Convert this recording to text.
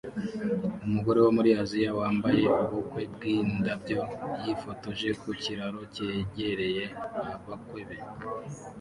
Umugore wo muri Aziya wambaye ubukwe bwindabyo yifotoje ku kiraro cyegereye abakwe be